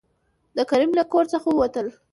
د کريم له کور څخه ووتل.